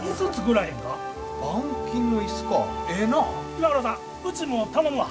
岩倉さんうちも頼むわ。